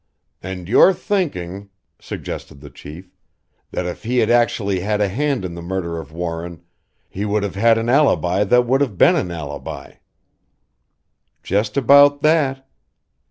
"And you're thinking," suggested the Chief, "that if he had actually had a hand in the murder of Warren he would have had an alibi that would have been an alibi?" "Just about that.